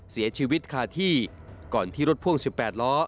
เสียชีวิตคาที่ก่อนที่รถพ่วง๑๘ล้อ